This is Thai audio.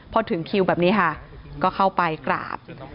พอถึงคิวแบบนี้ค่ะก็เข้าไปกราบ